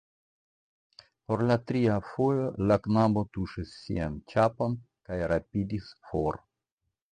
Por la tria fojo la knabo tuŝis sian ĉapon kaj rapidis for.